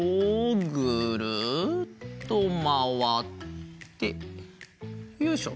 ぐるっとまわってよいしょ。